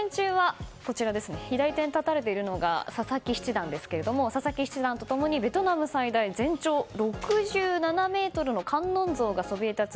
左手に立たれているのが佐々木七段ですが佐々木七段と共にベトナム最大全長６７ｍの観音像がそびえたつ